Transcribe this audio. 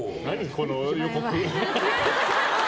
この予告。